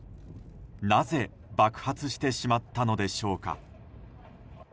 なぜ爆発してしまったのでしょうか。